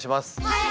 はい！